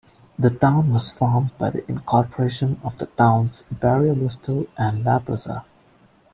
The town was formed by the incorporation of the towns Barriobusto and Labraza.